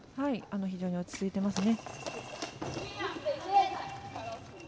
非常に落ち着いていますね。